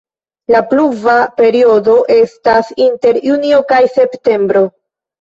La pluva periodo estas inter julio kaj septembro.